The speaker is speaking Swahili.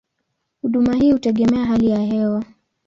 Huduma hii hutegemea hali ya hewa.